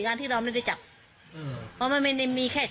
วันที่สิบห้า